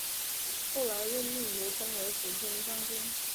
后来任命刘聪为抚军将军。